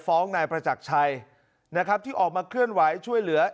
ฟ้องนายประจักรชัยนะครับที่ออกมาเคลื่อนไหวช่วยเหลือ